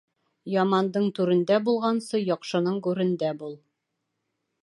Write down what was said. Ямандың түрендә булғансы, яҡшының гүрендә бул.